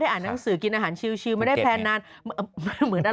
ที่อ่านหนังสือกินอาหารชิวไม่ได้แพนนานแต่ไม่ได้ได้